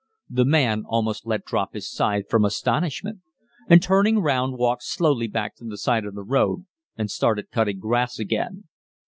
The man almost let drop his scythe from astonishment, and turning round walked slowly back to the side of the road and started cutting grass again.